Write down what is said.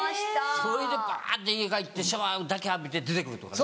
それでバって家帰ってシャワーだけ浴びて出て来るとかね。